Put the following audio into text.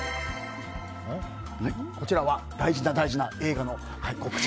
こちらは大事な大事な映画の告知。